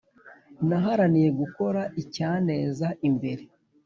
naharaniye gukora icyaneza imbere